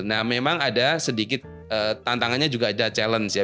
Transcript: nah memang ada sedikit tantangannya juga ada challenge ya